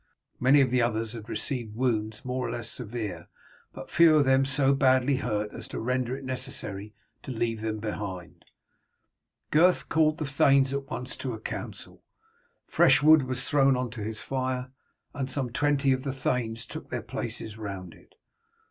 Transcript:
Many of the others had received wounds more or less severe, but few of them were so badly hurt as to render it necessary to leave them behind. Gurth called the thanes at once to a council. Fresh wood was thrown on to his fire, and some twenty of the thanes took their places round it.